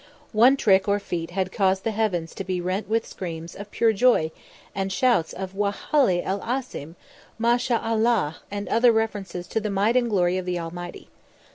One trick or feat had caused the heavens to be rent with screams of pure joy and shouts of "Wallahi el azim," "Ma sha Allah" and other references to the might and glory of the Almighty.